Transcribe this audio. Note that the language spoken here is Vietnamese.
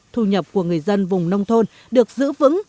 thu nhập của người dân vùng nông thôn được giữ vững